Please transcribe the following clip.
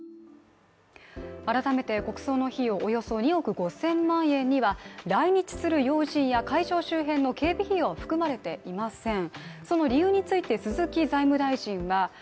改めて国葬の費用、およそ２億５０００万円には来日する要人や会場周辺の警備費用は含まれていません。